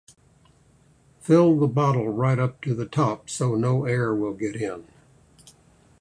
Fill the bottle right up to the top so no air will get in.